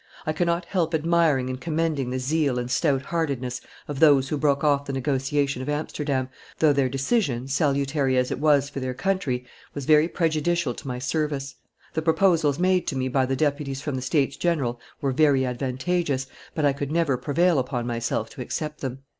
I cannot help admiring and commending the zeal and stout heartedness of those who broke off the negotiation of Amsterdam, though their decision, salutary as it was for their country, was very prejudicial to my service; the proposals made to me by the deputies from the States General were very advantageous, but I could never prevail upon myself to accept them."